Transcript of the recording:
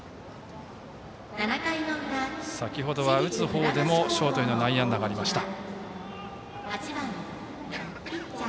先程は打つ方でもショートへの内野安打がありました。